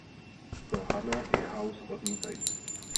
To Hanna i House odmítají.